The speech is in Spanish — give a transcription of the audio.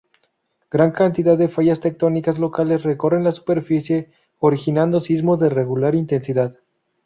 Gran cantidad de fallas tectónicas locales recorren la superficie, originando sismos de regular intensidad.